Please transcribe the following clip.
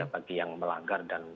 bagi yang melanggar dan